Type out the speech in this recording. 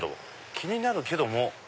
気になるけども。